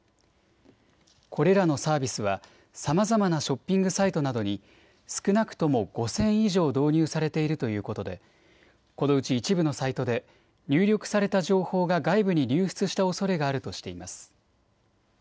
これらのサービスはさまざまなショッピングサイトなどに少なくとも５０００以上導入されているということでこのうち一部のサイトで入力された情報が外部に流出したおそれがあるとしています。